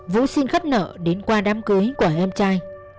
vũ xin khắp nợ đến qua đám cưới của em trai